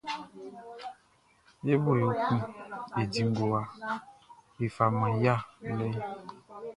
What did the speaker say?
E bo yo kun e di ngowa, e faman ya lɛ.